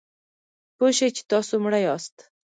پوه شئ چې تاسو مړه یاست .